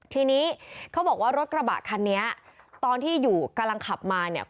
ทีนี้เขาบอกว่ารถกระบะคันนี้ตอนที่อยู่กำลังขับมาเนี่ย